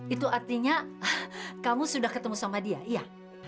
itu artinya kamu sudah ketemu sama dia iya